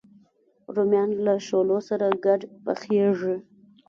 رومیان له شولو سره ګډ پخېږي